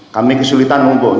kami kesulitan untuk